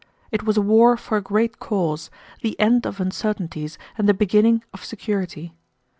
It was a war for a great cause, the end of uncertainties and the beginning of security.